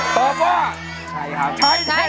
ตอบว่าใช้ครับใช้แค่นั้น